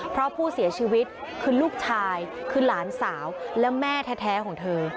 เพราะผู้เสียชีวิตคือลูกชายคือหลานสาวและแม่แท้ของเธอ